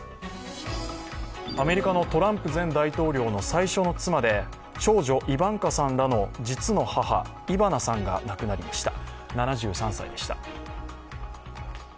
アメリカのトランプ前大統領の最初の妻で長女・イヴァンカさんらの実の母・イヴァナさんが亡くなりました。